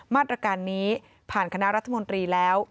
มาตรการนี้ผ่านคณะรัฐมนตรีแล้ว